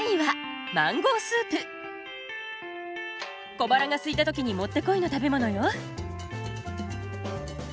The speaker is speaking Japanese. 小腹がすいた時にもってこいの食べ物よ。